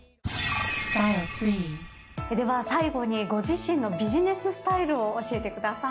では最後にご自身のビジネススタイルを教えてください。